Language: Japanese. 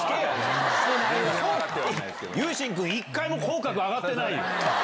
由真くん１回も口角上がってないよ。